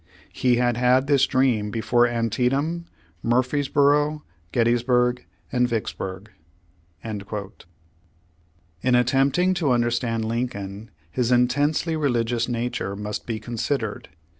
He had had this dream before Antietam, Murfreesboro, Gettysburg, and Vicksburg." ^ In attempting to understand Lincoln, his in tensely religious nature must be considered.